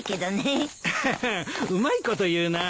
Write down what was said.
ハハハうまいこと言うなぁ。